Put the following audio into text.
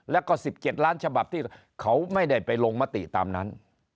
แล้วก็๑๗ล้านฉบับที่เขาไม่ได้ไปลงมติตามนั้น